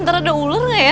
ntar ada ular gak ya